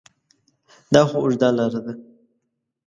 دا خو اوږده لاره ده ؟